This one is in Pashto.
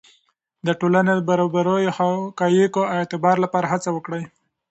د ټولنې د برابریو د حقایقو د اعتبار لپاره هڅه وکړئ.